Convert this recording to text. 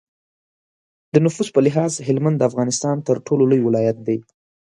د نفوس په لحاظ هلمند د افغانستان تر ټولو لوی ولایت دی.